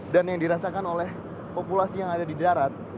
dan yang dirasakan oleh populasi yang ada di daratan